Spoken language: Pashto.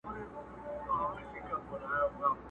یو څه سیالي د زمانې ووینو!